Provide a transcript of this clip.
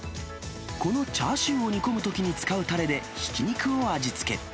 このチャーシューを煮込むときに使うたれで、ひき肉を味付け。